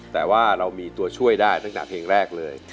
แต่ว่าเรามีตัวช่วยได้ตั้งแต่เพลงแรกเลย